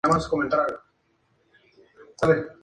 Los resultados se tienen que adaptar al sistema "White".